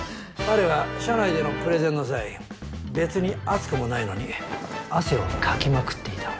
彼は社内でのプレゼンの際別に暑くもないのに汗をかきまくっていた。